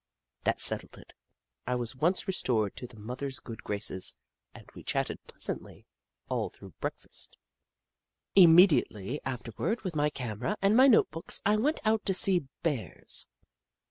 That settled it. I was at once restored to Snoof 6i the mother's good graces, and we chatted pleasantly all through breakfast. Immediately afterward, with my camera and my note books, I went out to see Bears.